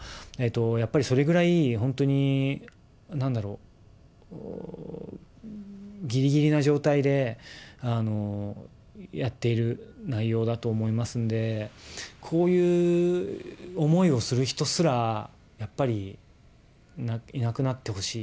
やっぱりそれぐらい、本当になんだろう、ぎりぎりの状態で、やっている内容だと思いますんで、こういう思いをする人すら、やっぱりいなくなってほしい。